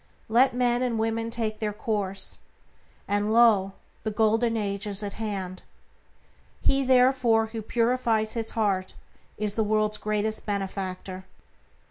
Let men and women take this course, and, lo! the Golden Age is at hand. He, therefore, who purifies his own heart is the world's greatest benefactor.